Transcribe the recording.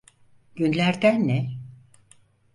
Günlerden ne?